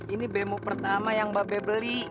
ini bmo pertama yang babe beli